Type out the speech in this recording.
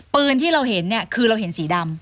ที่เราเห็นเนี่ยคือเราเห็นสีดำ